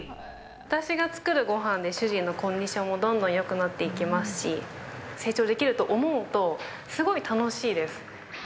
私が作るごはんで、主人のコンディションもどんどんよくなっていきますし、成長できると思うと、すごい楽しいです。